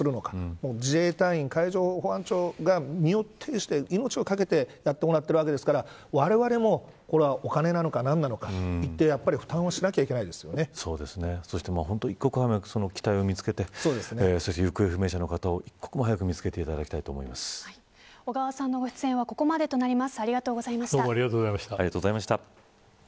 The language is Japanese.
それに対して国民がどう負担をするのか自衛隊員海上保安庁が身をていして命をかけてやってもらってるわけですからわれわれも、お金なのか何なのかやはり負担をしなきゃいけないでそして、一刻も早く機体を見つけて行方不明者の方を一刻も早く見つけていただきたいと小川さんのご出演はここまでとなります。